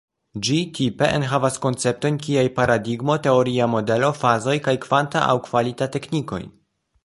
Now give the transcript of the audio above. Ĝi, tipe, enhavas konceptojn kiaj paradigmo, teoria modelo, fazoj kaj kvanta aŭ kvalita teknikoj.